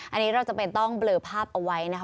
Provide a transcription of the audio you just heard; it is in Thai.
อันนี้เราจำเป็นต้องเบลอภาพเอาไว้นะคะ